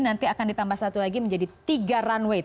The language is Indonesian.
nanti akan ditambah satu lagi menjadi tiga runway